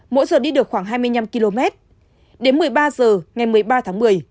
mỗi giờ đi được khoảng hai mươi năm km đến một mươi ba h ngày một mươi ba tháng một mươi